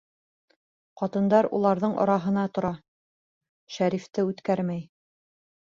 Ҡатындар уларҙың араһына тора, Шәрифте үткәрмәй.